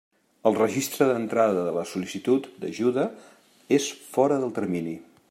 El registre d'entrada de la sol·licitud d'ajuda és fora del termini.